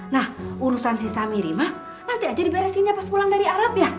nah urusan si samiri mah nanti aja diberesinnya pas pulang dari arab ya